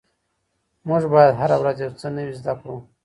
موږ باید هره ورځ یو څه نوي زده کړو.